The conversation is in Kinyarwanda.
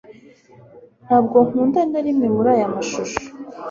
ntabwo nkunda na kimwe muri aya mashusho